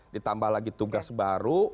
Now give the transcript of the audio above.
ditambah lagi tugas baru